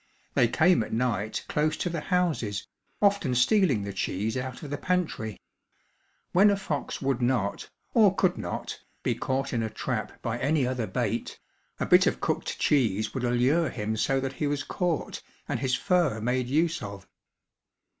They came at night close to the houses, often stealing the cheese out of the pantry. When a fox would not, or could not, be caught in a trap by any other bait, a bit of cooked cheese would allure him so that he was caught and his fur made use of.